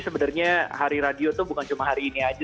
sebenarnya hari radio itu bukan cuma hari ini aja